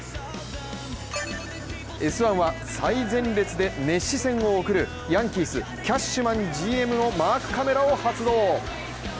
「Ｓ☆１」は最前列で熱視線を送るヤンキース・キャッシュマンＧＭにマークカメラを発動。